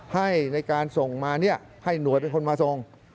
ให้ในการส่งมาให้หน่วยเป็นคนมาส่ง